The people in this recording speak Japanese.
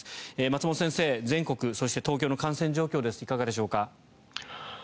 松本先生、全国、そして東京の感染状況ですがいかがでしょうか。